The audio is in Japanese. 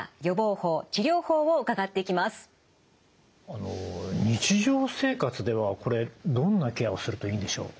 あの日常生活ではこれどんなケアをするといいんでしょう？